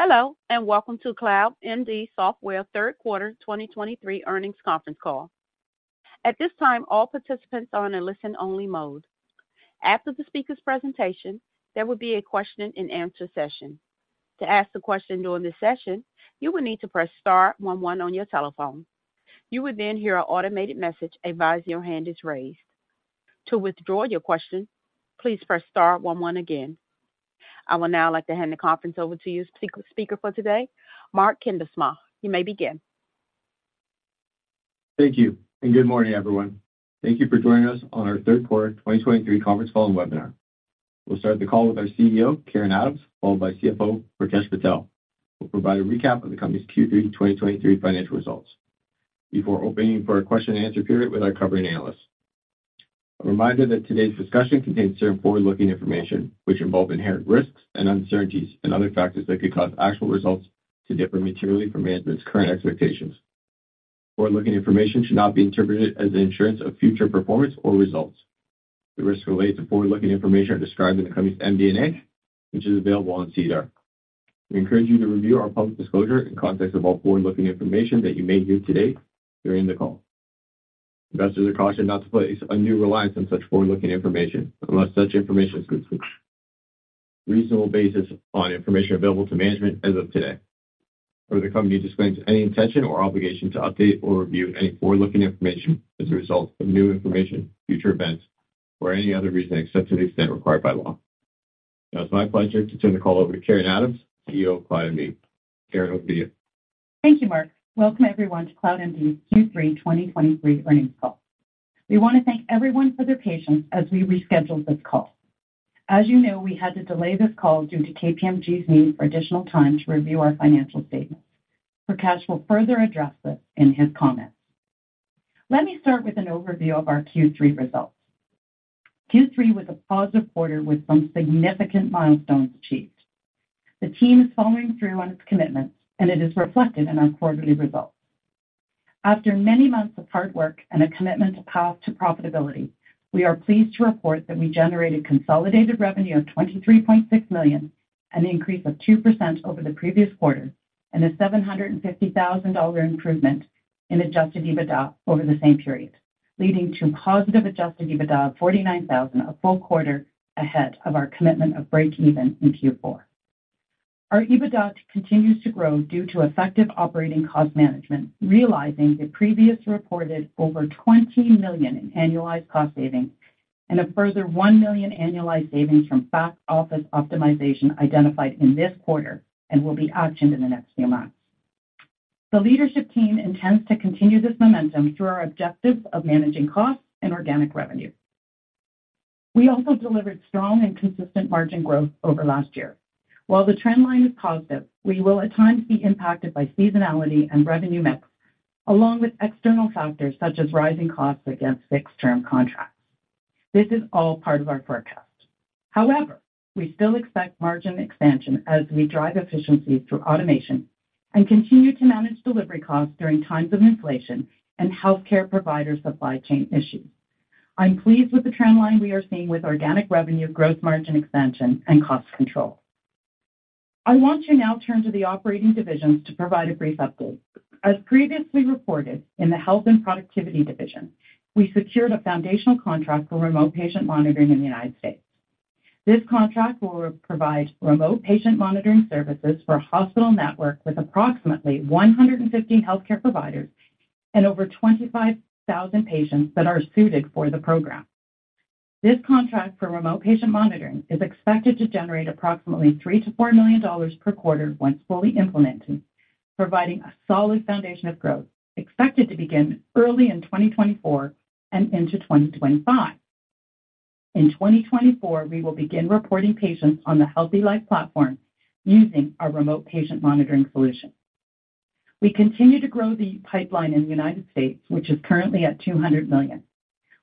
Hello, and welcome to CloudMD Software third quarter 2023 Earnings Conference Call. At this time, all participants are in a listen-only mode. After the speaker's presentation, there will be a question and answer session. To ask a question during this session, you will need to press star one one on your telephone. You will then hear an automated message advise your hand is raised. To withdraw your question, please press star one one again. I will now like to hand the conference over to you, speaker for today, Mark Kuindersma. You may begin. Thank you, and good morning, everyone. Thank you for joining us on our Third Quarter 2023 Conference Call and Webinar. We'll start the call with our CEO, Karen Adams, followed by CFO, Prakash Patel, who will provide a recap of the company's Q3 2023 financial results before opening for a question and answer period with our covering analysts. A reminder that today's discussion contains certain forward-looking information, which involve inherent risks and uncertainties and other factors that could cause actual results to differ materially from management's current expectations. Forward-looking information should not be interpreted as an assurance of future performance or results. The risks related to forward-looking information are described in the company's MD&A, which is available on SEDAR. We encourage you to review our public disclosure in context of all forward-looking information that you may hear today during the call. Investors are cautioned not to place undue reliance on such forward-looking information, unless such information is based on a reasonable basis for the information available to management as of today. Further, the company disclaims any intention or obligation to update or review any forward-looking information as a result of new information, future events, or any other reason, except to the extent required by law. Now, it's my pleasure to turn the call over to Karen Adams, CEO of CloudMD. Karen, over to you. Thank you, Mark. Welcome, everyone, to CloudMD's Q3 2023 Earnings Call. We want to thank everyone for their patience as we rescheduled this call. As you know, we had to delay this call due to KPMG's need for additional time to review our financial statements. Prakash will further address this in his comments. Let me start with an overview of our Q3 results. Q3 was a positive quarter with some significant milestones achieved. The team is following through on its commitments, and it is reflected in our quarterly results. After many months of hard work and a commitment to path to profitability, we are pleased to report that we generated consolidated revenue of 23.6 million, an increase of 2% over the previous quarter, and a 750,000 dollar improvement in adjusted EBITDA over the same period, leading to positive adjusted EBITDA of 49,000, a full quarter ahead of our commitment of breakeven in Q4. Our EBITDA continues to grow due to effective operating cost management, realizing the previously reported over 20 million in annualized cost savings and a further 1 million annualized savings from back-office optimization identified in this quarter and will be actioned in the next few months. The leadership team intends to continue this momentum through our objectives of managing costs and organic revenue. We also delivered strong and consistent margin growth over last year. While the trend line is positive, we will at times be impacted by seasonality and revenue mix, along with external factors such as rising costs against fixed-term contracts. This is all part of our forecast. However, we still expect margin expansion as we drive efficiencies through automation and continue to manage delivery costs during times of inflation and healthcare provider supply chain issues. I'm pleased with the trend line we are seeing with organic revenue, growth margin expansion, and cost control. I want to now turn to the operating divisions to provide a brief update. As previously reported in the Health and Productivity division, we secured a foundational contract for remote patient monitoring in the United States. This contract will provide remote patient monitoring services for a hospital network with approximately 150 healthcare providers and over 25,000 patients that are suited for the program. This contract for remote patient monitoring is expected to generate approximately 3 million-4 million dollars per quarter once fully implemented, providing a solid foundation of growth, expected to begin early in 2024 and into 2025. In 2024, we will begin reporting patients on the Health eLife platform using our remote patient monitoring solution. We continue to grow the pipeline in the United States, which is currently at 200 million,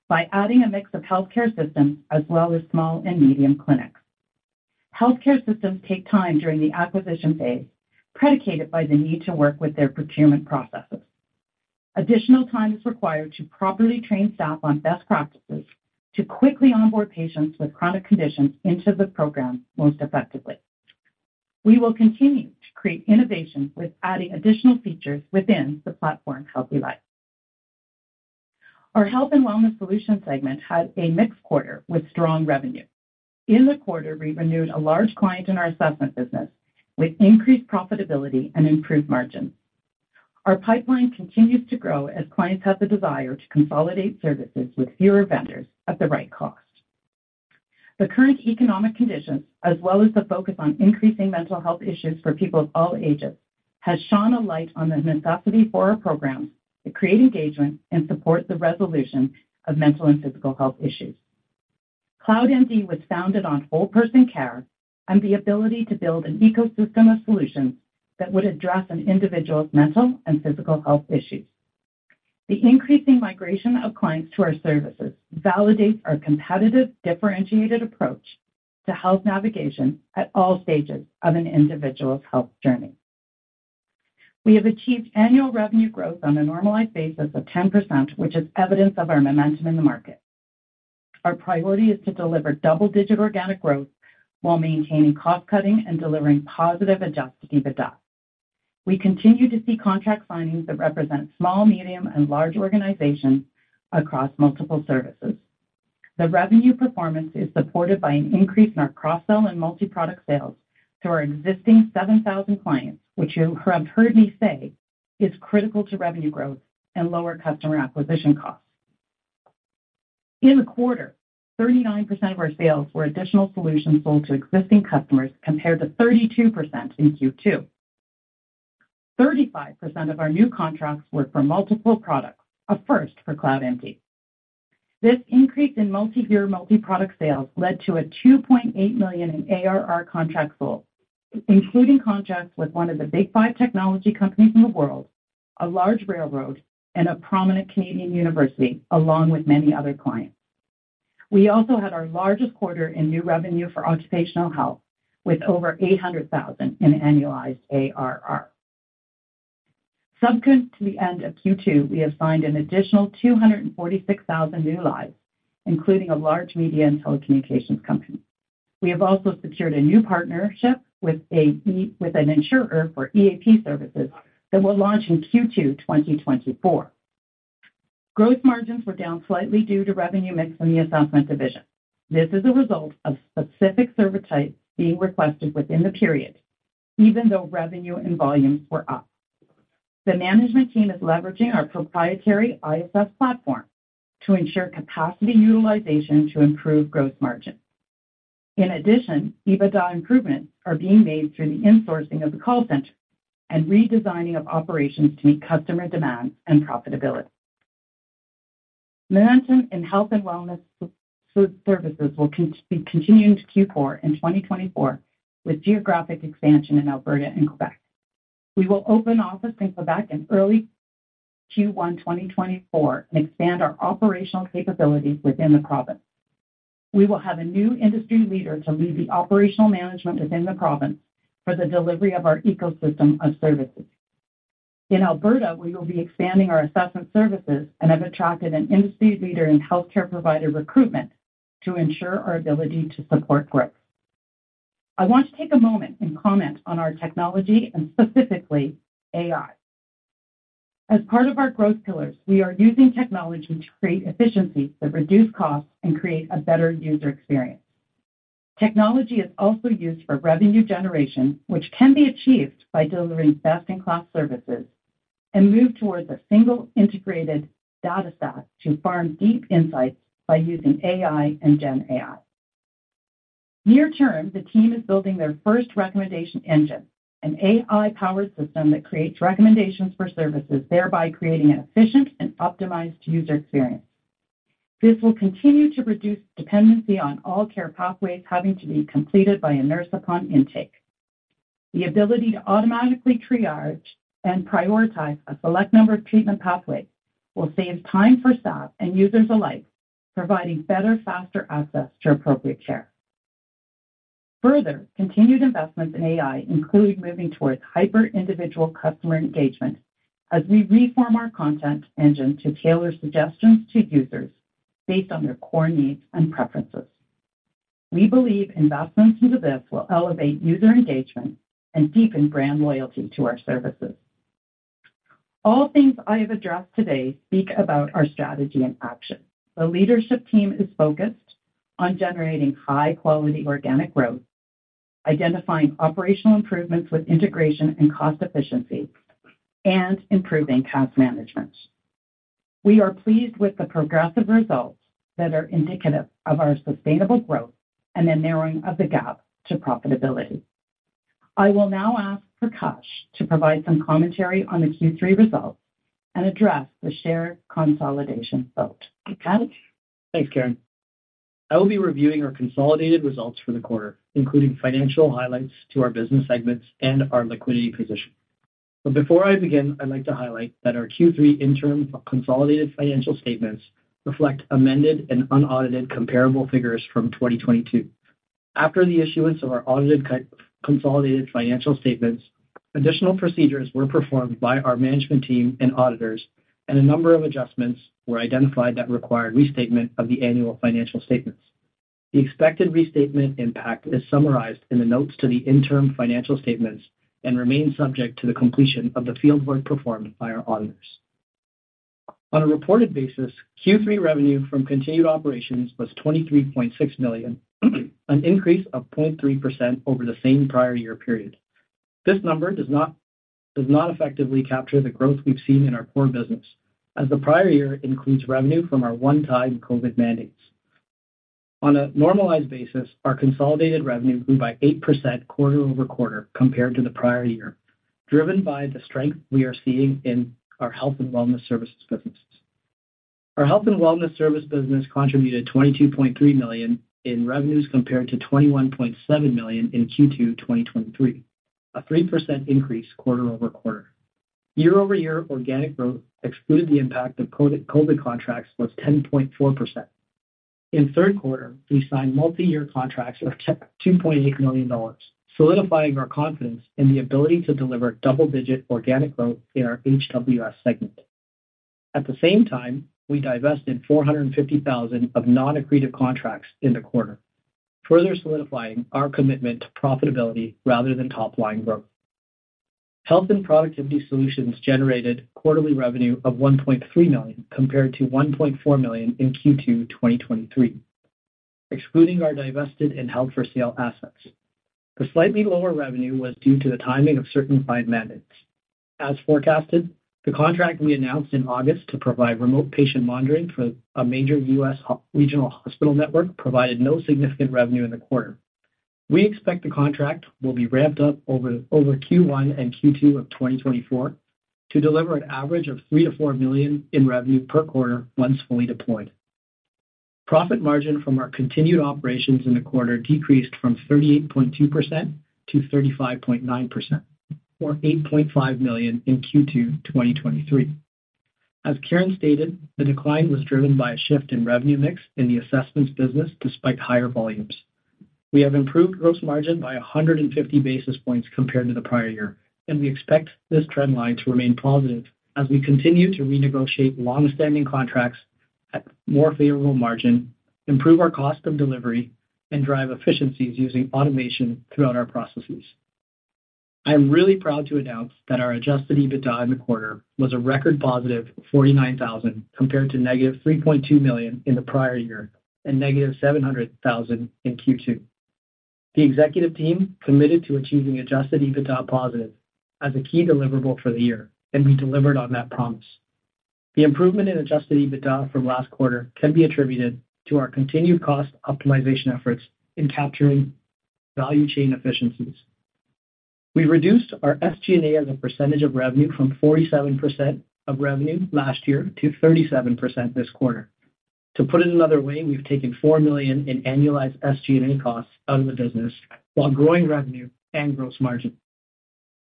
by adding a mix of healthcare systems as well as small and medium clinics. Healthcare systems take time during the acquisition phase, predicated by the need to work with their procurement processes. Additional time is required to properly train staff on best practices to quickly onboard patients with chronic conditions into the program most effectively. We will continue to create innovation with adding additional features within the platform, Health eLife. Our health and wellness solution segment had a mixed quarter with strong revenue. In the quarter, we renewed a large client in our assessment business with increased profitability and improved margins. Our pipeline continues to grow as clients have the desire to consolidate services with fewer vendors at the right cost. The current economic conditions, as well as the focus on increasing mental health issues for people of all ages, has shone a light on the necessity for our programs to create engagement and support the resolution of mental and physical health issues. CloudMD was founded on whole person care and the ability to build an ecosystem of solutions that would address an individual's mental and physical health issues. The increasing migration of clients to our services validates our competitive, differentiated approach to health navigation at all stages of an individual's health journey.... We have achieved annual revenue growth on a normalized basis of 10%, which is evidence of our momentum in the market. Our priority is to deliver double-digit organic growth while maintaining cost cutting and delivering positive adjusted EBITDA. We continue to see contract signings that represent small, medium, and large organizations across multiple services. The revenue performance is supported by an increase in our cross-sell and multi-product sales to our existing 7,000 clients, which you have heard me say, is critical to revenue growth and lower customer acquisition costs. In the quarter, 39% of our sales were additional solutions sold to existing customers, compared to 32% in Q2. 35% of our new contracts were for multiple products, a first for CloudMD. This increase in multi-year, multi-product sales led to 2.8 million in ARR contracts sold, including contracts with one of the big five technology companies in the world, a large railroad, and a prominent Canadian university, along with many other clients. We also had our largest quarter in new revenue for occupational health, with over 800,000 in annualized ARR. Subsequent to the end of Q2, we have signed an additional 246,000 new lives, including a large media and telecommunications company. We have also secured a new partnership with an insurer for EAP services that will launch in Q2 2024. Growth margins were down slightly due to revenue mix in the assessment division. This is a result of specific server types being requested within the period, even though revenue and volumes were up. The management team is leveraging our proprietary ISS platform to ensure capacity utilization to improve growth margins. In addition, EBITDA improvements are being made through the insourcing of the call center and redesigning of operations to meet customer demands and profitability. Momentum in health and wellness services will be continued into Q4 in 2024 with geographic expansion in Alberta and Quebec. We will open offices in Quebec in early Q1 2024 and expand our operational capabilities within the province. We will have a new industry leader to lead the operational management within the province for the delivery of our ecosystem of services. In Alberta, we will be expanding our assessment services and have attracted an industry leader in healthcare provider recruitment to ensure our ability to support growth. I want to take a moment and comment on our technology, and specifically AI. As part of our growth pillars, we are using technology to create efficiencies that reduce costs and create a better user experience. Technology is also used for revenue generation, which can be achieved by delivering best-in-class services and move towards a single integrated data set to farm deep insights by using AI and GenAI. Near term, the team is building their first recommendation engine, an AI-powered system that creates recommendations for services, thereby creating an efficient and optimized user experience. This will continue to reduce dependency on all care pathways having to be completed by a nurse upon intake. The ability to automatically triage and prioritize a select number of treatment pathways will save time for staff and users alike, providing better, faster access to appropriate care. Further, continued investments in AI include moving towards hyper-individual customer engagement as we reform our content engine to tailor suggestions to users based on their core needs and preferences. We believe investments into this will elevate user engagement and deepen brand loyalty to our services. All things I have addressed today speak about our strategy and action. The leadership team is focused on generating high-quality organic growth, identifying operational improvements with integration and cost efficiency, and improving cost management. We are pleased with the progressive results that are indicative of our sustainable growth and the narrowing of the gap to profitability. I will now ask Prakash to provide some commentary on the Q3 results and address the share consolidation vote. Prakash? Thanks, Karen. I will be reviewing our consolidated results for the quarter, including financial highlights to our business segments and our liquidity position. But before I begin, I'd like to highlight that our Q3 interim consolidated financial statements reflect amended and unaudited comparable figures from 2022. After the issuance of our audited consolidated financial statements, additional procedures were performed by our management team and auditors, and a number of adjustments were identified that required restatement of the annual financial statements. The expected restatement impact is summarized in the notes to the interim financial statements and remains subject to the completion of the field work performed by our auditors. On a reported basis, Q3 revenue from continued operations was 23.6 million, an increase of 0.3% over the same prior year period. This number does not, does not effectively capture the growth we've seen in our core business, as the prior year includes revenue from our one-time COVID mandates. On a normalized basis, our consolidated revenue grew by 8% quarter-over-quarter compared to the prior year, driven by the strength we are seeing in our health and wellness services businesses. Our health and wellness service business contributed 22.3 million in revenues compared to 21.7 million in Q2 2023, a 3% increase quarter-over-quarter. Year-over-year, organic growth excluded the impact of COVID, COVID contracts was 10.4%.... In third quarter, we signed multi-year contracts of 2.8 million dollars, solidifying our confidence in the ability to deliver double-digit organic growth in our HWS segment. At the same time, we divested 450,000 of non-accretive contracts in the quarter, further solidifying our commitment to profitability rather than top-line growth. Health and Productivity Solutions generated quarterly revenue of 1.3 million, compared to 1.4 million in Q2 2023, excluding our divested and held for sale assets. The slightly lower revenue was due to the timing of certain client mandates. As forecasted, the contract we announced in August to provide remote patient monitoring for a major U.S. regional hospital network provided no significant revenue in the quarter. We expect the contract will be ramped up over Q1 and Q2 of 2024 to deliver an average of 3 million-4 million in revenue per quarter once fully deployed. Profit margin from our continued operations in the quarter decreased from 38.2% to 35.9%, or 8.5 million in Q2 2023. As Karen stated, the decline was driven by a shift in revenue mix in the assessments business despite higher volumes. We have improved gross margin by 150 basis points compared to the prior year, and we expect this trend line to remain positive as we continue to renegotiate long-standing contracts at more favorable margin, improve our cost of delivery, and drive efficiencies using automation throughout our processes. I'm really proud to announce that our adjusted EBITDA in the quarter was a record positive 49 thousand, compared to negative 3.2 million in the prior year and negative 700 thousand in Q2. The executive team committed to achieving adjusted EBITDA positive as a key deliverable for the year, and we delivered on that promise. The improvement in adjusted EBITDA from last quarter can be attributed to our continued cost optimization efforts in capturing value chain efficiencies. We reduced our SG&A as a percentage of revenue from 47% of revenue last year to 37% this quarter. To put it another way, we've taken 4 million in annualized SG&A costs out of the business while growing revenue and gross margin.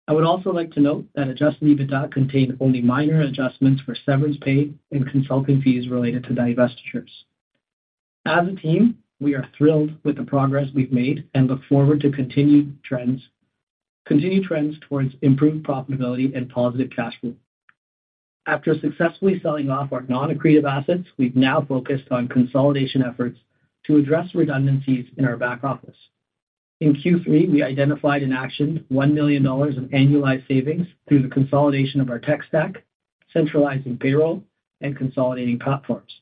I would also like to note that adjusted EBITDA contained only minor adjustments for severance pay and consulting fees related to divestitures. As a team, we are thrilled with the progress we've made and look forward to continued trends - continued trends towards improved profitability and positive cash flow. After successfully selling off our non-accretive assets, we've now focused on consolidation efforts to address redundancies in our back office. In Q3, we identified and actioned 1 million dollars of annualized savings through the consolidation of our tech stack, centralizing payroll, and consolidating platforms.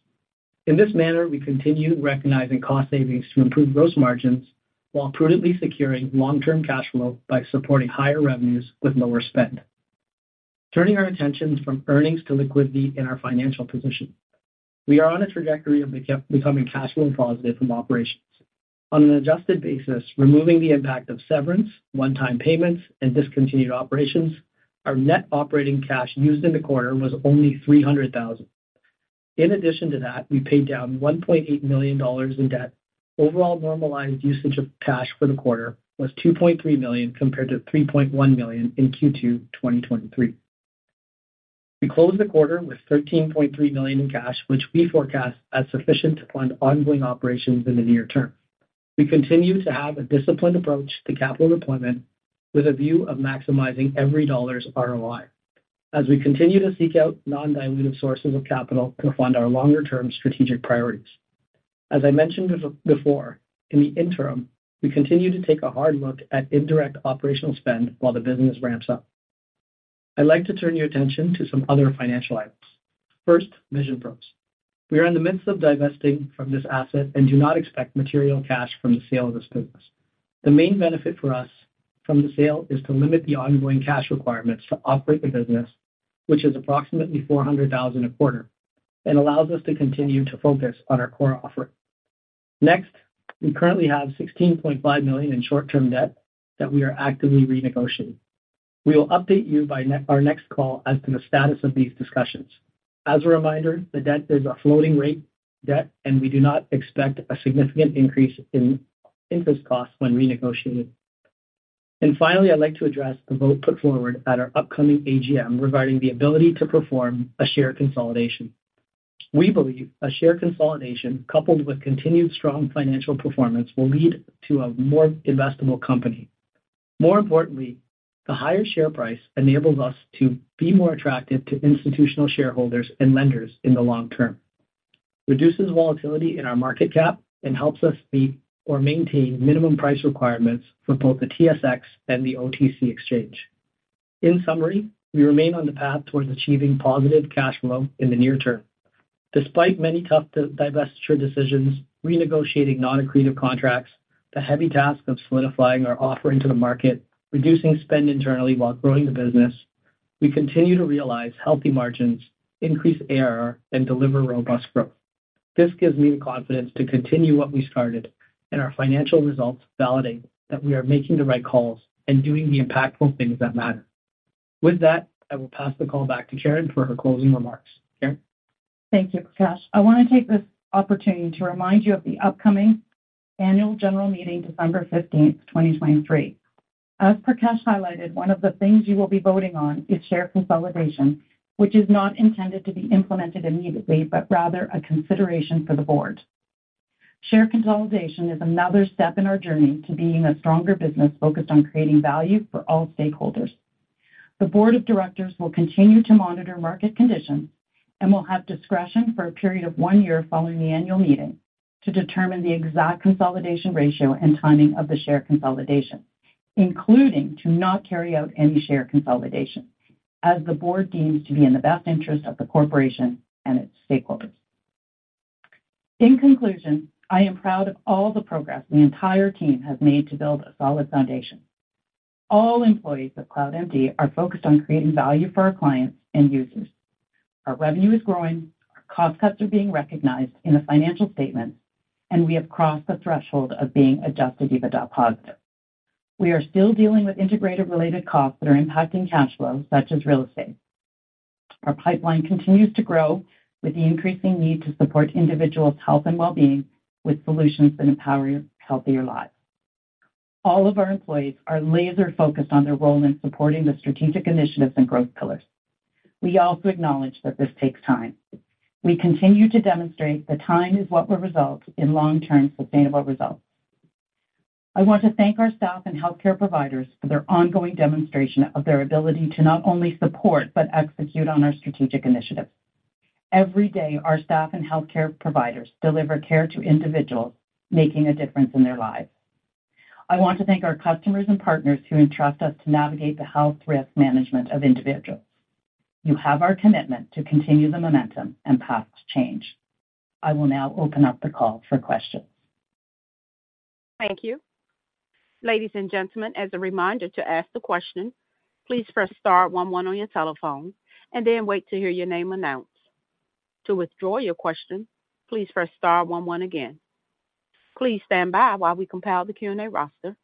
In this manner, we continue recognizing cost savings to improve gross margins, while prudently securing long-term cash flow by supporting higher revenues with lower spend. Turning our attention from earnings to liquidity in our financial position. We are on a trajectory of becoming cash flow positive from operations. On an adjusted basis, removing the impact of severance, one-time payments, and discontinued operations, our net operating cash used in the quarter was only 300,000. In addition to that, we paid down 1.8 million dollars in debt. Overall, normalized usage of cash for the quarter was 2.3 million, compared to 3.1 million in Q2 2023. We closed the quarter with 13.3 million in cash, which we forecast as sufficient to fund ongoing operations in the near term. We continue to have a disciplined approach to capital deployment with a view of maximizing every dollar's ROI as we continue to seek out non-dilutive sources of capital to fund our longer-term strategic priorities. As I mentioned before, in the interim, we continue to take a hard look at indirect operational spend while the business ramps up. I'd like to turn your attention to some other financial items. First, VisionPros. We are in the midst of divesting from this asset and do not expect material cash from the sale of this business. The main benefit for us from the sale is to limit the ongoing cash requirements to operate the business, which is approximately 400,000 a quarter and allows us to continue to focus on our core offering. Next, we currently have 16.5 million in short-term debt that we are actively renegotiating. We will update you by our next call as to the status of these discussions. As a reminder, the debt is a floating rate debt, and we do not expect a significant increase in interest costs when renegotiated. And finally, I'd like to address the vote put forward at our upcoming AGM regarding the ability to perform a share consolidation. We believe a share consolidation, coupled with continued strong financial performance, will lead to a more investable company. More importantly, the higher share price enables us to be more attractive to institutional shareholders and lenders in the long term, reduces volatility in our market cap, and helps us meet or maintain minimum price requirements for both the TSX and the OTC exchange. In summary, we remain on the path towards achieving positive cash flow in the near term. Despite many tough divestiture decisions, renegotiating non-accretive contracts, the heavy task of solidifying our offering to the market, reducing spend internally while growing the business, we continue to realize healthy margins, increase ARR, and deliver robust growth. This gives me the confidence to continue what we started, and our financial results validate that we are making the right calls and doing the impactful things that matter. With that, I will pass the call back to Karen for her closing remarks. Karen? Thank you, Prakash. I want to take this opportunity to remind you of the upcoming annual general meeting, December 15, 2023.... As Prakash highlighted, one of the things you will be voting on is share consolidation, which is not intended to be implemented immediately, but rather a consideration for the board. Share consolidation is another step in our journey to being a stronger business focused on creating value for all stakeholders. The board of directors will continue to monitor market conditions and will have discretion for a period of one year following the annual meeting to determine the exact consolidation ratio and timing of the share consolidation, including to not carry out any share consolidation as the board deems to be in the best interest of the corporation and its stakeholders. In conclusion, I am proud of all the progress the entire team has made to build a solid foundation. All employees of CloudMD are focused on creating value for our clients and users. Our revenue is growing, our cost cuts are being recognized in the financial statements, and we have crossed the threshold of being adjusted EBITDA positive. We are still dealing with integrator related costs that are impacting cash flow, such as real estate. Our pipeline continues to grow with the increasing need to support individuals' health and well-being with solutions that empower healthier lives. All of our employees are laser focused on their role in supporting the strategic initiatives and growth pillars. We also acknowledge that this takes time. We continue to demonstrate that time is what will result in long-term, sustainable results. I want to thank our staff and healthcare providers for their ongoing demonstration of their ability to not only support but execute on our strategic initiatives. Every day, our staff and healthcare providers deliver care to individuals, making a difference in their lives. I want to thank our customers and partners who entrust us to navigate the health risk management of individuals. You have our commitment to continue the momentum and path to change. I will now open up the call for questions. Thank you. Ladies and gentlemen, as a reminder to ask the question, please press star one one on your telephone and then wait to hear your name announced. To withdraw your question, please press star one one again. Please stand by while we compile the Q&A roster.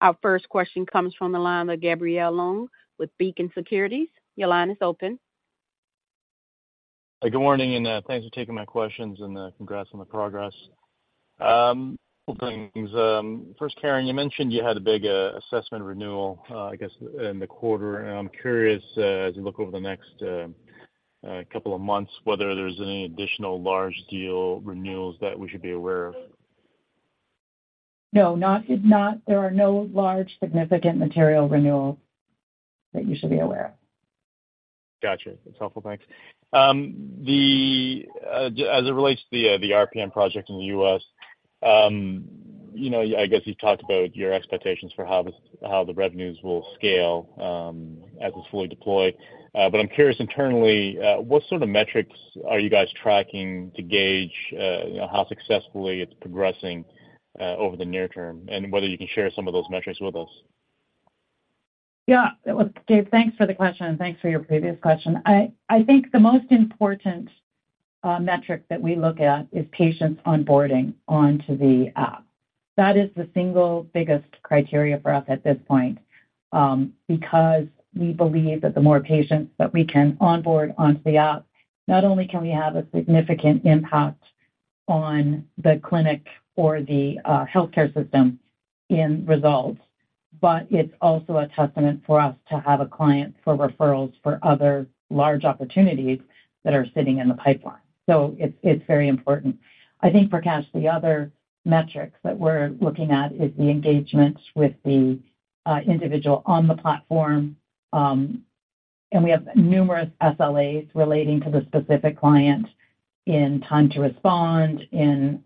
Our first question comes from the line of Gabriel Leung with Beacon Securities. Your line is open. Good morning, and, thanks for taking my questions and, congrats on the progress. Couple things. First, Karen, you mentioned you had a big, assessment renewal, I guess, in the quarter. And I'm curious, as you look over the next, couple of months, whether there's any additional large deal renewals that we should be aware of? No, there are no large, significant material renewals that you should be aware of. Gotcha. That's helpful. Thanks. As it relates to the RPM project in the U.S., you know, I guess you've talked about your expectations for how the revenues will scale, as it's fully deployed. But I'm curious internally, what sort of metrics are you guys tracking to gauge, you know, how successfully it's progressing, over the near term, and whether you can share some of those metrics with us? Yeah. Look, Gabe, thanks for the question, and thanks for your previous question. I, I think the most important metric that we look at is patients onboarding onto the app. That is the single biggest criteria for us at this point, because we believe that the more patients that we can onboard onto the app, not only can we have a significant impact on the clinic or the healthcare system in results, but it's also a testament for us to have a client for referrals for other large opportunities that are sitting in the pipeline. So it's, it's very important. I think, Prakash, the other metrics that we're looking at is the engagement with the individual on the platform. And we have numerous SLAs relating to the specific client in time to respond, in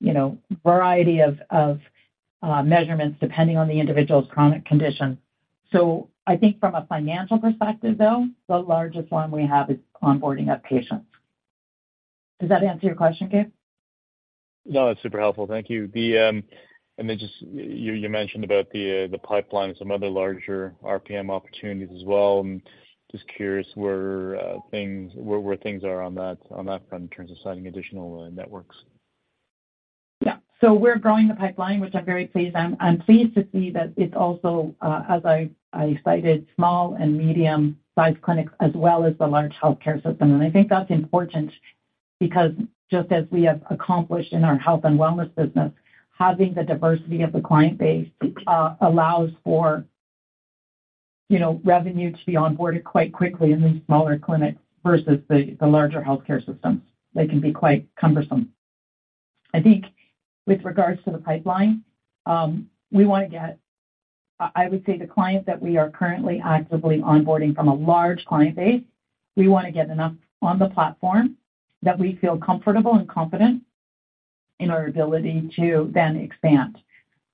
you know variety of measurements depending on the individual's chronic condition. So I think from a financial perspective, though, the largest one we have is onboarding of patients. Does that answer your question, Gabe? No, it's super helpful. Thank you. And then just you mentioned about the pipeline and some other larger RPM opportunities as well. I'm just curious where things are on that front in terms of signing additional networks. Yeah. So we're growing the pipeline, which I'm very pleased. I'm pleased to see that it's also, as I cited, small and medium-sized clinics as well as the large healthcare system. I think that's important because just as we have accomplished in our health and wellness business, having the diversity of the client base allows for, you know, revenue to be onboarded quite quickly in these smaller clinics versus the larger healthcare systems. They can be quite cumbersome. I think with regards to the pipeline, I would say the clients that we are currently actively onboarding from a large client base, we want to get enough on the platform that we feel comfortable and confident in our ability to then expand.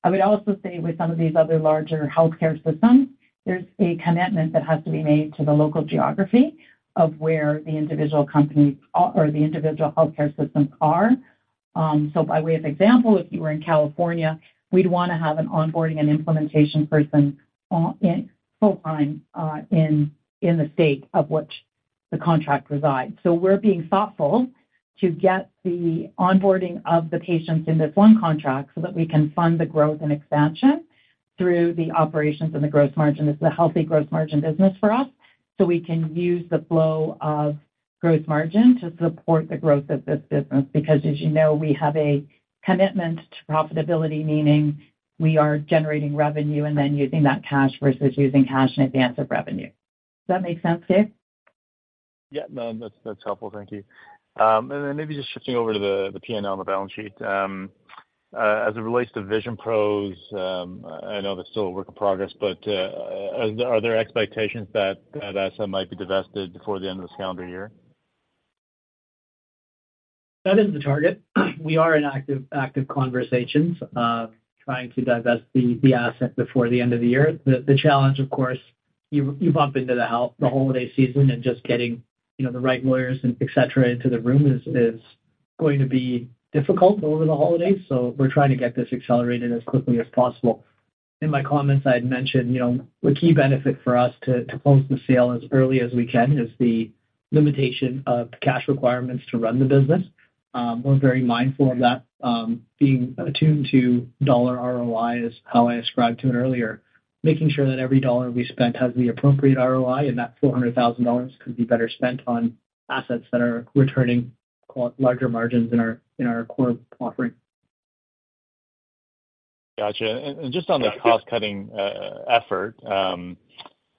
I would also say with some of these other larger healthcare systems, there's a commitment that has to be made to the local geography of where the individual companies or, or the individual healthcare systems are. So by way of example, if you were in California, we'd want to have an onboarding and implementation person, in full-time, in the state of the contract resides. So we're being thoughtful to get the onboarding of the patients in this one contract, so that we can fund the growth and expansion through the operations and the growth margin. It's a healthy growth margin business for us, so we can use the flow of growth margin to support the growth of this business. Because as you know, we have a commitment to profitability, meaning we are generating revenue and then using that cash versus using cash in advance of revenue. Does that make sense, Gabe? Yeah, no, that's, that's helpful. Thank you. And then maybe just shifting over to the P&L on the balance sheet. As it relates to VisionPros, I know that's still a work in progress, but, are there expectations that that asset might be divested before the end of this calendar year? That is the target. We are in active conversations trying to divest the asset before the end of the year. The challenge, of course, you bump into the holiday season, and just getting, you know, the right lawyers and et cetera into the room is going to be difficult over the holidays. So we're trying to get this accelerated as quickly as possible. In my comments, I had mentioned, you know, the key benefit for us to close the sale as early as we can is the limitation of the cash requirements to run the business. We're very mindful of that, being attuned to dollar ROI, is how I ascribed to it earlier. Making sure that every dollar we spend has the appropriate ROI, and that 400,000 dollars could be better spent on assets that are returning larger margins in our, in our core offering. Gotcha. And just on the cost-cutting effort,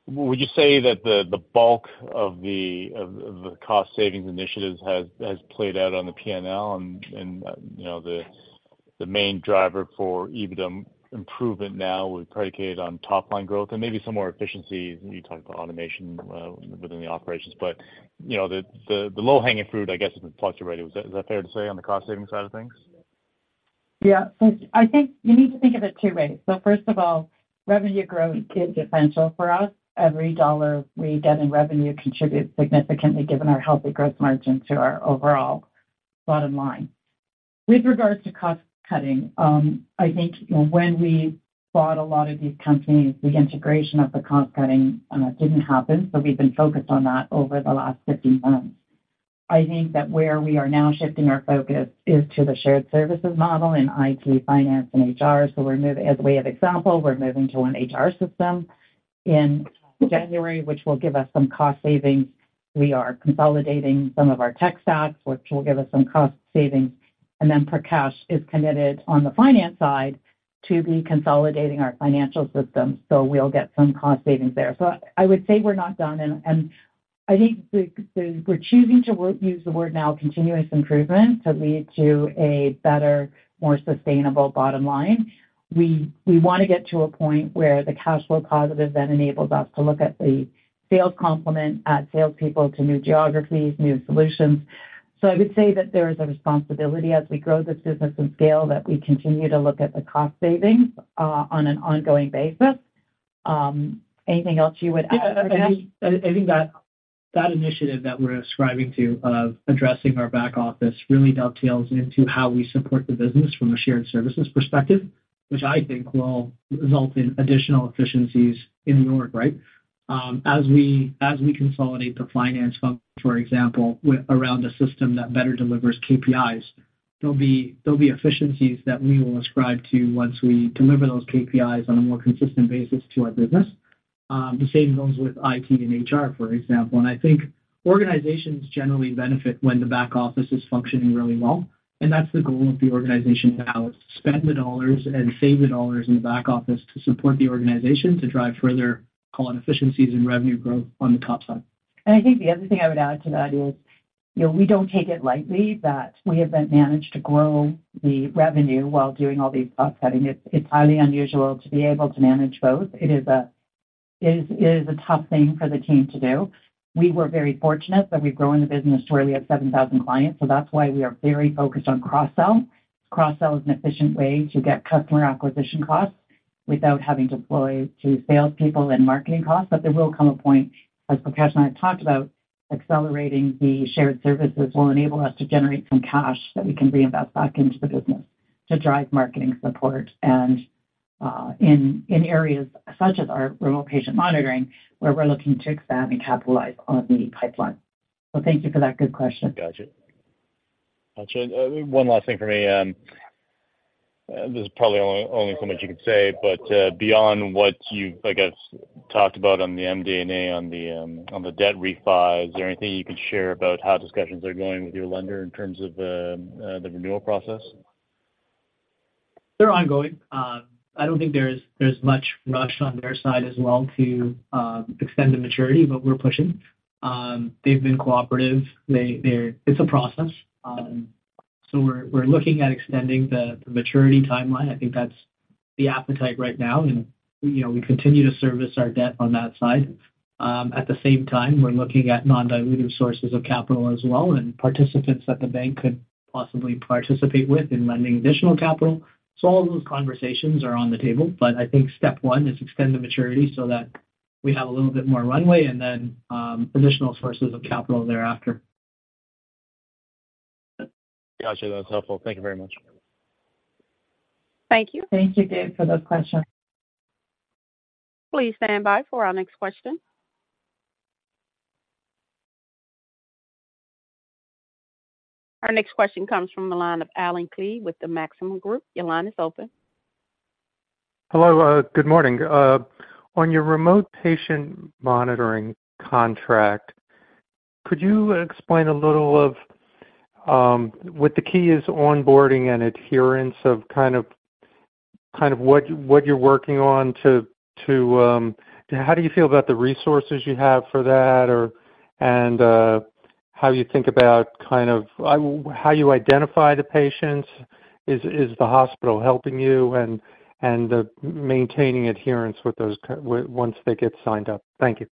would you say that the bulk of the cost savings initiatives has played out on the P&L and, you know, the main driver for EBITDA improvement now would predicated on top line growth and maybe some more efficiency? You talked about automation within the operations. But, you know, the low-hanging fruit, I guess, has been plucked already. Is that fair to say on the cost saving side of things? Yeah. I think you need to think of it two ways. So first of all, revenue growth is essential for us. Every dollar we get in revenue contributes significantly, given our healthy growth margin to our overall bottom line. With regards to cost cutting, I think, you know, when we bought a lot of these companies, the integration of the cost cutting didn't happen, so we've been focused on that over the last 15 months. I think that where we are now shifting our focus is to the shared services model in IT, finance, and HR. So we're moving—as a way of example, we're moving to one HR system in January, which will give us some cost savings. We are consolidating some of our tech stacks, which will give us some cost savings. And then Prakash is committed on the finance side to be consolidating our financial system, so we'll get some cost savings there. So I would say we're not done, and I think we're choosing to use the word now, continuous improvement, to lead to a better, more sustainable bottom line. We wanna get to a point where the cash flow positive then enables us to look at the sales complement, add salespeople to new geographies, new solutions. So I would say that there is a responsibility as we grow this business and scale, that we continue to look at the cost savings on an ongoing basis. Anything else you would add, Prakash? Yeah, I think that initiative that we're ascribing to, of addressing our back office, really dovetails into how we support the business from a shared services perspective, which I think will result in additional efficiencies in the org, right? As we consolidate the finance function, for example, around a system that better delivers KPIs, there'll be efficiencies that we will ascribe to once we deliver those KPIs on a more consistent basis to our business. The same goes with IT and HR, for example. And I think organizations generally benefit when the back office is functioning really well, and that's the goal of the organization now: spend the dollars and save the dollars in the back office to support the organization, to drive further call on efficiencies and revenue growth on the top line. I think the other thing I would add to that is, you know, we don't take it lightly that we have then managed to grow the revenue while doing all these cost cutting. It's, it's highly unusual to be able to manage both. It is a, it is, it is a tough thing for the team to do. We were very fortunate that we've grown the business to where we have 7,000 clients, so that's why we are very focused on cross-sell. Cross-sell is an efficient way to get customer acquisition costs without having to deploy to salespeople and marketing costs. There will come a point, as Prakash and I have talked about, accelerating the shared services will enable us to generate some cash that we can reinvest back into the business to drive marketing support, and in areas such as our remote patient monitoring, where we're looking to expand and capitalize on the pipeline. So thank you for that good question. Gotcha. Gotcha. One last thing for me. There's probably only, only so much you could say, but, beyond what you've, I guess, talked about on the MD&A, on the, on the debt refi, is there anything you can share about how discussions are going with your lender in terms of the renewal process? They're ongoing. I don't think there is, there's much rush on their side as well to extend the maturity, but we're pushing. They've been cooperative. They're— It's a process. So we're, we're looking at extending the maturity timeline. I think that's the appetite right now, and, you know, we continue to service our debt on that side. At the same time, we're looking at non-dilutive sources of capital as well, and participants that the bank could possibly participate with in lending additional capital. So all of those conversations are on the table, but I think step one is extend the maturity so that we have a little bit more runway, and then additional sources of capital thereafter. ... Gotcha, that's helpful. Thank you very much. Thank you. Thank you, Gabe, for those questions. Please stand by for our next question. Our next question comes from the line of Allen Klee with the Maxim Group. Your line is open. Hello, good morning. On your remote patient monitoring contract, could you explain a little of what the key is, onboarding and adherence of kind of what you're working on to... How do you feel about the resources you have for that? Or, and, how you think about kind of how you identify the patients? Is the hospital helping you and maintaining adherence with those customers once they get signed up? Thank you.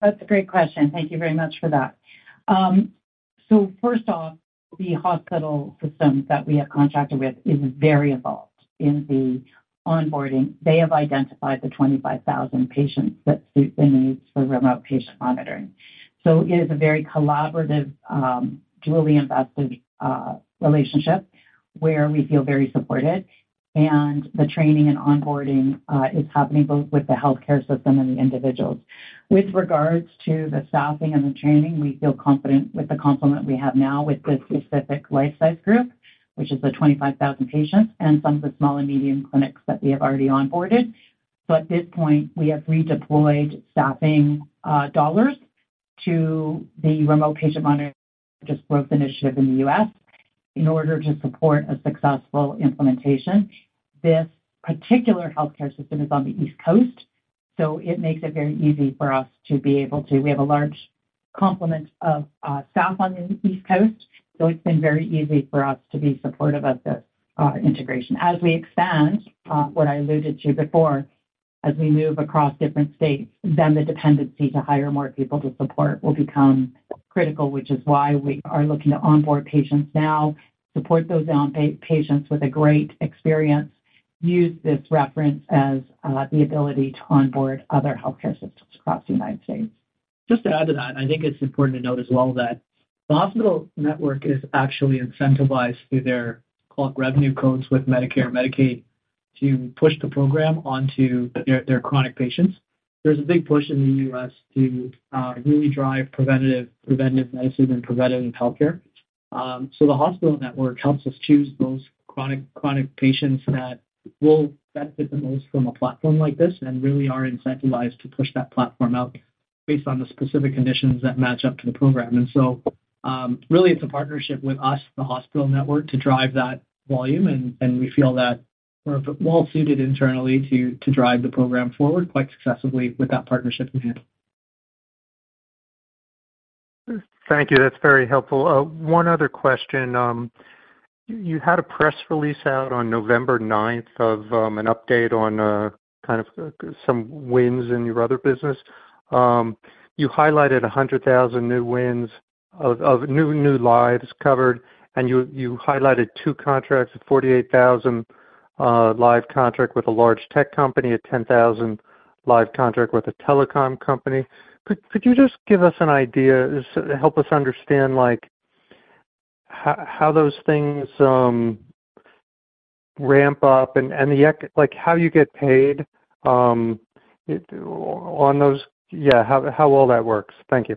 That's a great question. Thank you very much for that. So first off, the hospital system that we have contracted with is very involved in the onboarding. They have identified the 25,000 patients that suit the needs for remote patient monitoring. So it is a very collaborative, duly invested, relationship where we feel very supported, and the training and onboarding is happening both with the healthcare system and the individuals. With regards to the staffing and the training, we feel confident with the complement we have now with this specific life-size group, which is the 25,000 patients and some of the small and medium clinics that we have already onboarded. So at this point, we have redeployed staffing dollars to the remote patient monitoring growth initiative in the U.S. in order to support a successful implementation. This particular healthcare system is on the East Coast, so it makes it very easy for us to be able to... We have a large complement of staff on the East Coast, so it's been very easy for us to be supportive of this integration. As we expand, what I alluded to before, as we move across different states, then the dependency to hire more people to support will become critical, which is why we are looking to onboard patients now, support those patients with a great experience, use this reference as the ability to onboard other healthcare systems across the United States. Just to add to that, I think it's important to note as well that the hospital network is actually incentivized through their revenue codes with Medicare, Medicaid, to push the program onto their chronic patients. There's a big push in the U.S. to really drive preventative, preventative medicine and preventative healthcare. So the hospital network helps us choose those chronic patients that will benefit the most from a platform like this and really are incentivized to push that platform out based on the specific conditions that match up to the program. And so, really, it's a partnership with us, the hospital network, to drive that volume, and we feel that we're well suited internally to drive the program forward quite successfully with that partnership in hand. Thank you. That's very helpful. One other question. You had a press release out on November ninth of an update on kind of some wins in your other business. You highlighted 100,000 new wins of new lives covered, and you highlighted two contracts, a 48,000 lives contract with a large tech company, a 10,000 lives contract with a telecom company. Could you just give us an idea, just help us understand, like, how those things ramp up and like how you get paid on those? Yeah, how well that works. Thank you.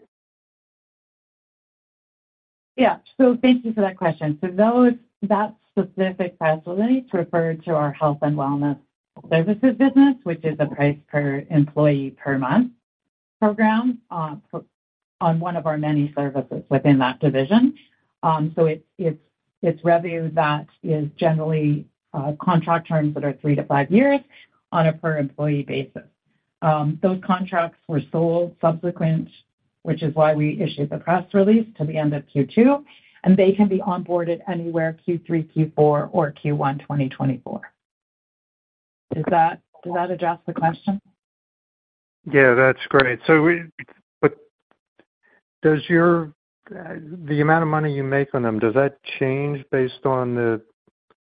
Yeah. So thank you for that question. So those, that specific facility refer to our Health and Wellness Services business, which is a price per employee per month program on one of our many services within that division. So it's revenue that is generally contract terms that are three to five years on a per employee basis. Those contracts were sold subsequent, which is why we issued the press release to the end of Q2, and they can be onboarded anywhere Q3, Q4, or Q1 2024. Does that address the question? Yeah, that's great. So but does your the amount of money you make on them, does that change based on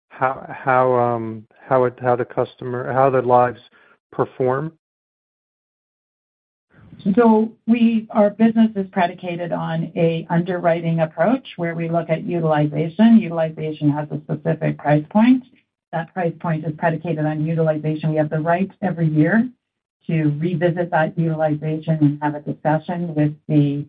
how it... how the customer, how their lives perform? So our business is predicated on an underwriting approach, where we look at utilization. Utilization has a specific price point. That price point is predicated on utilization. We have the right every year to revisit that utilization and have a discussion with the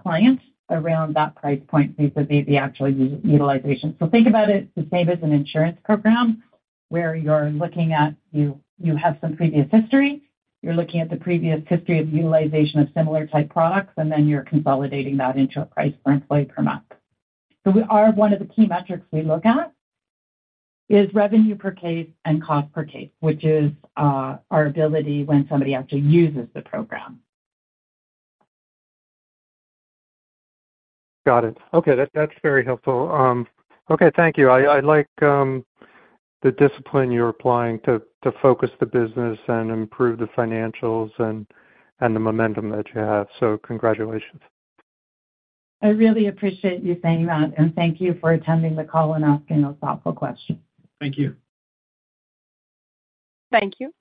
client around that price point, vis-a-vis the actual utilization. So think about it the same as an insurance program, where you're looking at, you have some previous history, you're looking at the previous history of utilization of similar type products, and then you're consolidating that into a price per employee per month. So we are, one of the key metrics we look at is revenue per case and cost per case, which is our ability when somebody actually uses the program. Got it. Okay, that, that's very helpful. Okay, thank you. I like the discipline you're applying to focus the business and improve the financials and the momentum that you have, so congratulations. I really appreciate you saying that, and thank you for attending the call and asking those thoughtful questions. Thank you. Thank you.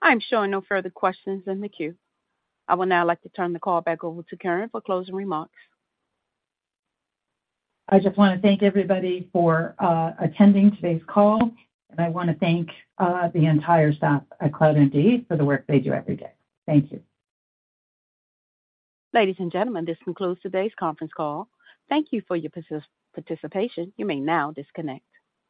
I'm showing no further questions in the queue. I would now like to turn the call back over to Karen for closing remarks. I just wanna thank everybody for attending today's call, and I wanna thank the entire staff at CloudMD for the work they do every day. Thank you. Ladies and gentlemen, this concludes today's conference call. Thank you for your participation. You may now disconnect.